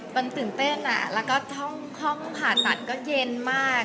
มันตื่นเต้นแล้วก็ห้องผ่าตัดก็เย็นมาก